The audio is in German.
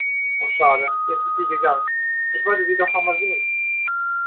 Oh schade, jetzt ist sie gegangen. Ich wollte sie doch nochmal sehen.